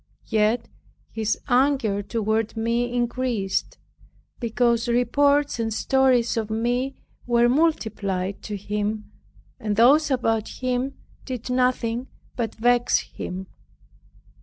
Yet his anger toward me increased, because reports and stories of me were multiplied to him, and those about him did nothing but vex him.